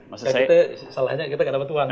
mas hidid salahnya kita tidak dapat uang